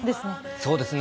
そうですね。